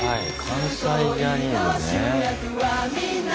関西ジャニーズね。